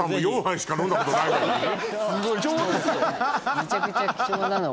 めちゃくちゃ貴重なのを。